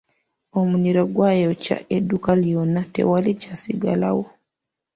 Omuliro gwayokya edduuka lyonna tewali kyasigalawo.